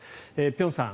辺さん